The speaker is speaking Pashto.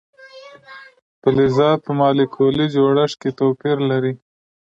فلزات په مالیکولي جوړښت کې توپیر لري.